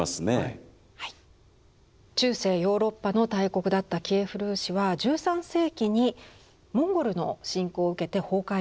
中世ヨーロッパの大国だったキエフ・ルーシは１３世紀にモンゴルの侵攻を受けて崩壊をします。